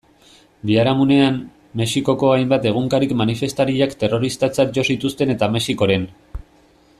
Biharamunean, Mexikoko hainbat egunkarik manifestariak terroristatzat jo zituzten eta Mexikoren.